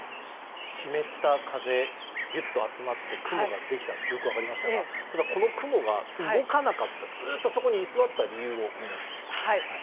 湿った風がぎゅっと集まって雲ができたというのはよく分かりましたがその雲が動かなかったずっとそこに居座った理由をお願いします。